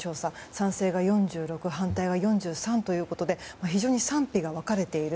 賛成が４６反対が４３ということで非常に賛否が分かれている。